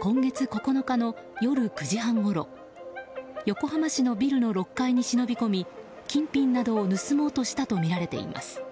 今月９日の夜９時半ごろ横浜市のビルの６階に忍び込み金品などを盗もうとしたとみられています。